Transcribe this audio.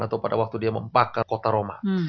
atau pada waktu dia membakar kota roma